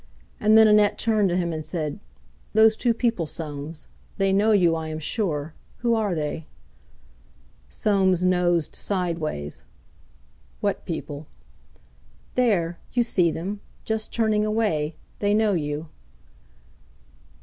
And then Annette turned to him and said: "Those two people, Soames; they know you, I am sure. Who are they?" Soames nosed sideways. "What people?" "There, you see them; just turning away. They know you."